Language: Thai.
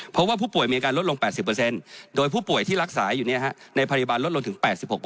เพราะว่าผู้ป่วยมีอาการลดลง๘๐โดยผู้ป่วยที่รักษาอยู่ในพยาบาลลดลงถึง๘๖